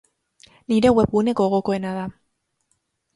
Nire webgune gogokoena da.